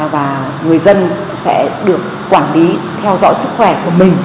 và người dân sẽ được quản lý theo dõi sức khỏe của mình